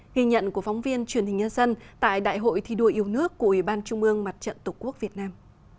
ghi nhận của phóng viên truyền hình nhân dân tại đại hội thi đua yêu nước của ủy ban trung ương mặt trận tổ quốc việt nam